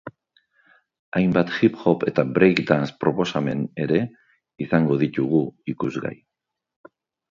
Hainbat hip-hop eta breakdance proposamen ere izango ditugu ikusgai.